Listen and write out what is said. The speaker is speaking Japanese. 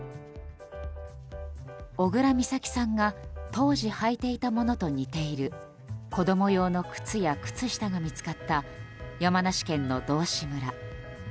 小倉美咲さんが当時履いていたものと似ている子供用の靴や靴下が見つかった山梨県の道志村。